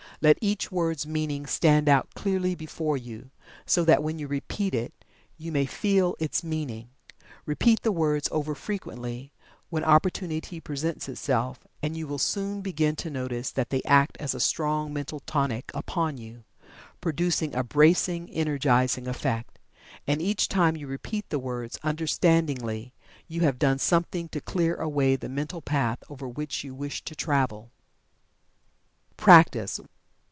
Let each word's meaning stand out clearly before you, so that when you repeat it you may feel its meaning. Repeat the words over frequently, when opportunity presents itself, and you will soon begin to notice that they act as a strong mental tonic upon you, producing a bracing, energizing effect. And each time you repeat the words, understandingly, you have done something to clear away the mental path over which you wish to travel. PRACTICE.